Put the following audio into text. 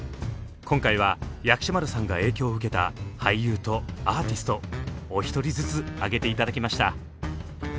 今回は薬師丸さんが影響を受けた俳優とアーティストお一人ずつ挙げて頂きました。